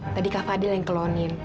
tadi kak fadil yang kelonin